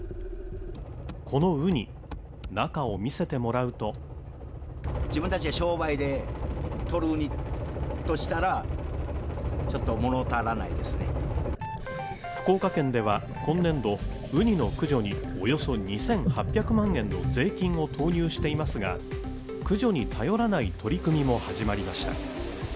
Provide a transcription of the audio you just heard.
このウニ中を見せてもらうと福岡県では今年度ウニの駆除におよそ２８００万円の税金を投入していますが駆除に頼らない取り組みも始まりました